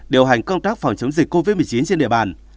điều hành công tác phòng chống dịch covid một mươi chín trên địa bàn